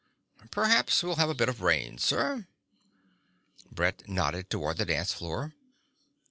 "Perhaps we'll have a bit of rain, sir." Brett nodded toward the dance floor.